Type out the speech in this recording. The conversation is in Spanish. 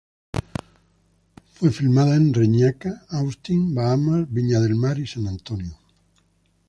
Fue filmada en Reñaca, Austin, Bahamas, Viña del Mar y San Antonio.